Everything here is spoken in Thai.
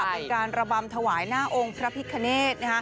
เป็นการระบำถวายหน้าองค์พระพิคเนธ